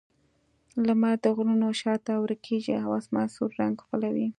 لمر د غرونو شا ته ورکېږي او آسمان سور رنګ خپلوي.